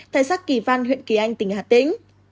tại xã kỳ văn huyện kỳ anh tỉnh hà tĩnh